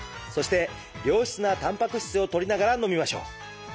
そして良質なたんぱく質をとりながら飲みましょう。